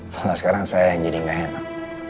karena sekarang saya yang jadi gak enak